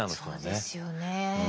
そうですよね。